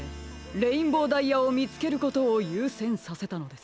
レインボーダイヤをみつけることをゆうせんさせたのです。